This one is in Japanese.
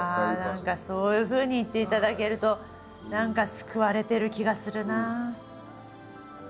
何かそういうふうに言っていただけると何か救われてる気がするなあ。